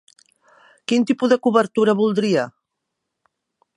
Quin tipus de cobertura voldria?